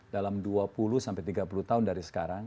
dalam dua puluh sampai tiga puluh tahun dari sekarang